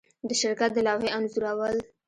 د شرکت د لوحې انځورول